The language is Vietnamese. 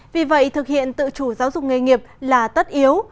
vì vậy thực hiện tự chủ giáo dục nghề nghiệp là tất yếu